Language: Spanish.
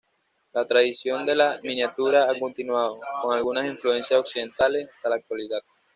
La tradición de la miniatura ha continuado, con algunas influencias occidentales, hasta la actualidad.